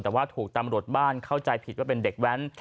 แต่ว่าถูกตำรวจบ้านเข้าใจผิดว่าเป็นเด็กแว้น